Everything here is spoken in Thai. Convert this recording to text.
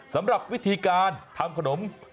สำหรับวิธีการทำขนม